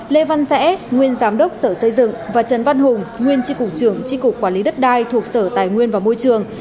lê văn rẽ nguyên giám đốc sở xây dựng và trần văn hùng nguyên tri cục trưởng tri cục quản lý đất đai thuộc sở tài nguyên và môi trường